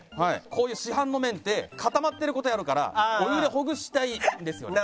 こういう市販の麺って固まってる事あるからお湯でほぐしたいんですよね。